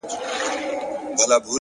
شراب نوشۍ کي مي له تا سره قرآن کړی دی،